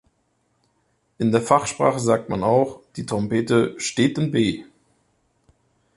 In der Fachsprache sagt man auch, die Trompete „steht in B“.